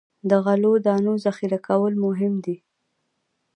د غلو دانو ذخیره کول مهم دي.